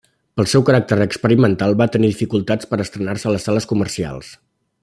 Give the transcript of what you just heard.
Pel seu caràcter experimental, va tenir dificultats per a estrenar-se a les sales comercials.